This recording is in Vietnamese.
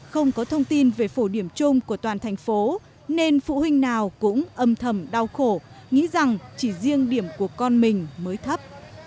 không có thông tin về phổ điểm chung của toàn thành phố nên phụ huynh nào cũng âm thầm đau khổ nghĩ rằng chỉ riêng điểm của con mình mới thấp